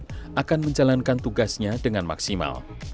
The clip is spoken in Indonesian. kusir ini akan menjalankan tugasnya dengan maksimal